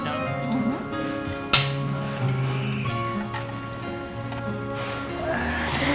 thank you dong